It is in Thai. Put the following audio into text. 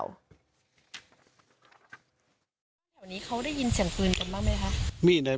ฝนตกด้วยเมื่อวัน